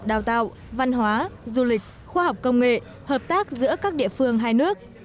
đào tạo văn hóa du lịch khoa học công nghệ hợp tác giữa các địa phương hai nước